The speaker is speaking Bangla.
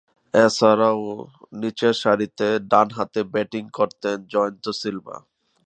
এছাড়াও, নিচেরসারিতে ডানহাতে ব্যাটিং করতেন জয়ন্ত সিলভা।